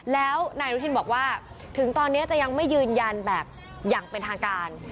แล้วนายอนุทินบอกว่าถึงตอนนี้จะยังไม่ยืนยันแบบอย่างเป็นทางการ